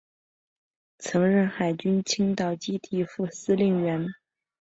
曾任海军青岛基地副司令员。